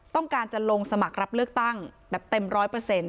ต้องการจะลงสมัครรับเลือกตั้งแบบเต็มร้อยเปอร์เซ็นต